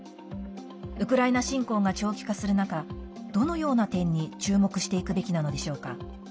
ウクライナ侵攻が長期化する中どのような点に注目していくべきなのでしょうか。